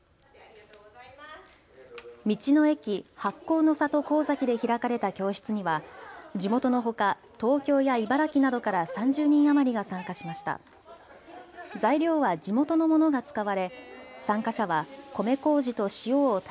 道の駅、発酵の里こうざきで開かれた教室には地元のほか東京や茨城などから３０人余りが参加しました。